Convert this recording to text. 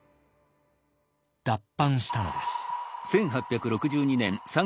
脱藩したのです。